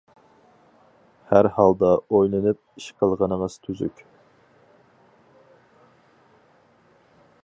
— ھەر ھالدا ئويلىنىپ ئىش قىلغىنىڭىز تۈزۈك.